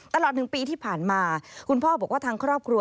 ตลอด๑ปีที่ผ่านมาคุณพ่อบอกว่าทางครอบครัว